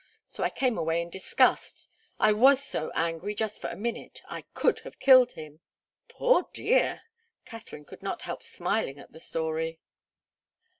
So I came away in disgust. I was so angry, just for a minute I could have killed him!" "Poor dear!" Katharine could not help smiling at the story.